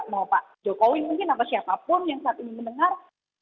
mau pak jokowi mungkin atau siapapun yang saat ini mendengar